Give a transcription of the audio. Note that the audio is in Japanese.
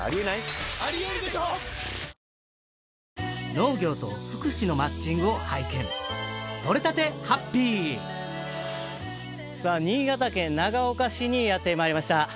農業と福祉のマッチングを拝見さあ新潟県長岡市にやってまいりました